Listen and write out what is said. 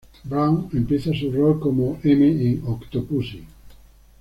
Brown empieza su rol como "M" en "Octopussy".